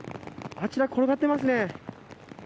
あちら転がっていますね。